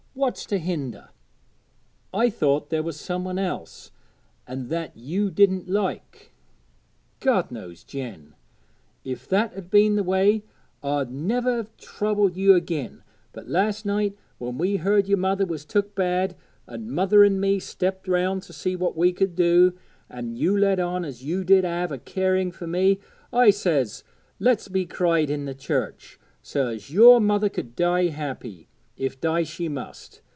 What's to hinder? I thought there was some one else, an' that you didn't like. God knows, Jen, if that 'ad been the way, I'd never 'ev troubled you again; but last night when we heard your mother was took bad, an' mother an' me stepped round to see what we could do, an' you let on as you did 'ave a caring for me, I says, "Let's be cried in the church," so as your mother could die happy, if die she must.